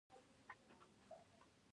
ایا زه باید موزیم ته لاړ شم؟